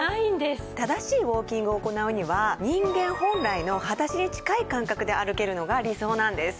正しいウォーキングを行うには人間本来の裸足に近い感覚で歩けるのが理想なんです。